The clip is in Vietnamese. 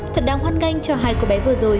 thật đáng hoan ganh cho hai cô bé vừa rồi